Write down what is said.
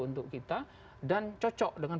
untuk kita dan cocok dengan